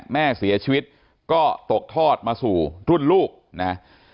แม่เสียชีวิตก็ตกทอดมาสู่รุ่นลูกนะ